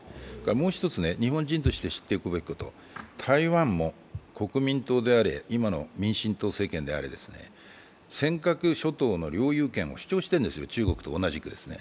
もう一つ日本人として知っておくべきこと、台湾も国民党であれ、今の民進党政権であれ尖閣諸島の領有権を主張しているんです、中国と同じくですね。